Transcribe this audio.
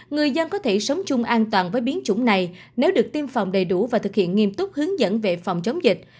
người dân có thể sống chung an toàn với biến chủng này nếu được tiêm phòng đầy đủ và thực hiện nghiêm túc hướng dẫn về phòng chống dịch